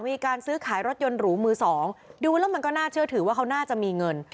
มีการซื้อขายรถยนต์หรูมือสองดูแล้วมันก็น่าเชื่อถือว่าเขาน่าจะมีเงิน